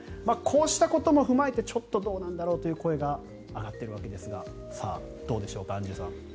こうしたことも踏まえてちょっとどうなんだろういう声が上がっているわけですがアンジュさん、どうでしょう。